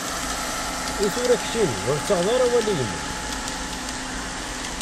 Itura keččini, ur tettaɣeḍ ara awal i yemma-k?